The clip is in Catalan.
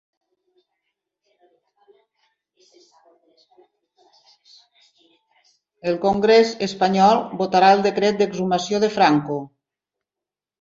El congrés espanyol votarà el decret d'exhumació de Franco